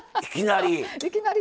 いきなり。